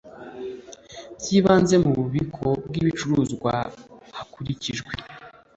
By ibanze mu bubiko bw ibicuruzwa hakurikijwe